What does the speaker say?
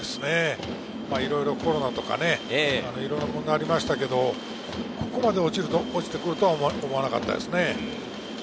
いろいろコロナとかね、問題がありましたけれど、ここまで落ちてくるとは思わなかったですね。